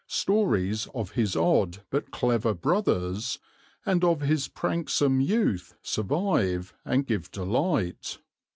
Stories of his odd but clever brothers and of his pranksome youth survive and give delight.